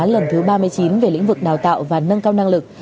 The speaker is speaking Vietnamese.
lần thứ ba mươi chín về lĩnh vực đào tạo và nâng cao năng lực